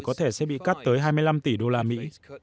có thể sẽ bị cắt tới hai mươi năm tỷ đô la mỹ